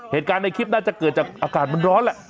เหตุการณ์ในคลิปน่าจะเกิดจากอากาศมันร้อนแหละ